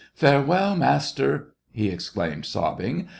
...Farewell, master !" he exclaimed, sobbing.